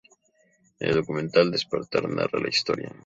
En el documental ""Despertar"" narra la historia.